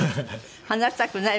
離したくない。